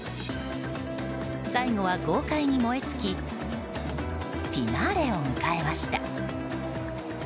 最後は豪快に燃え尽きフィナーレを迎えました。